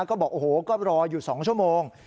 ก็บอกโอ้โหก็รออยู่๒ชั่วโมง